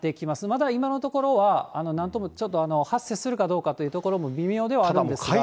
まだ今のところは、なんともちょっと、発生するかどうかというところも微妙ではあるんですが。